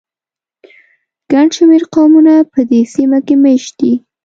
ګڼ شمېر قومونه په دې سیمه کې مېشت دي.